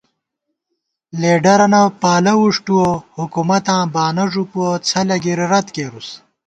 لیڈَرَنہ پالہ وُݭٹُوَہ ، حُکُمَتاں بانہ ݫُپُوَہ ، څھلَہ گِرِی رت کېرُس